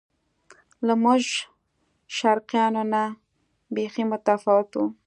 له موږ شرقیانو نه بیخي متفاوت و.